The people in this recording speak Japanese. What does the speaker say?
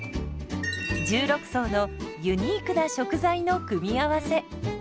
１６層のユニークな食材の組み合わせ。